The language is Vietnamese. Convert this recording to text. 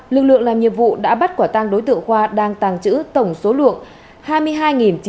lực lượng làm nhiệm vụ đã bắt quả tăng đối tượng khoa đang tàng trữ tổng số lượng